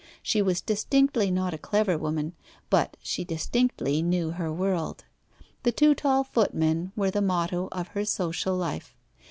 She was distinctly not a clever woman, but she distinctly knew her world. The two tall footmen were the motto of her social life.